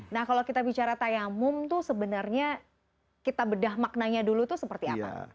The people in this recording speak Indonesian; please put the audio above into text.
nah kalau kita bicara tayamum itu sebenarnya kita bedah maknanya dulu itu seperti apa